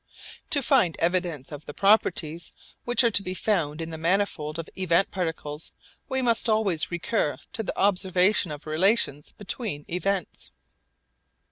To find evidence of the properties which are to be found in the manifold of event particles we must always recur to the observation of relations between events.